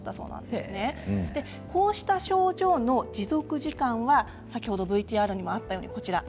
でこうした症状の持続時間は先ほどＶＴＲにもあったようにこちら。